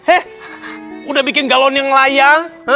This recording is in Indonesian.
eh udah bikin galon yang layang